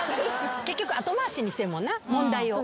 結局後回しにしてるもんな問題を。